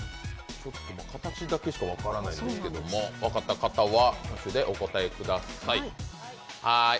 形だけしか分からないですけど、分かった方は挙手でお答えください。